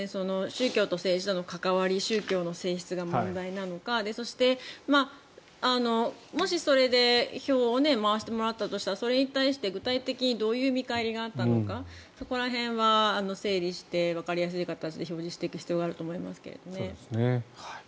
宗教と政治の関わり宗教の性質が問題なのかそして、もしそれで票を回してもらったとしたらそれに対して具体的にどういう見返りがあったのかそこら辺は、整理してわかりやすい形で表示していく必要があると思いますけれどね。